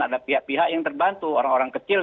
ada pihak pihak yang terbantu orang orang kecil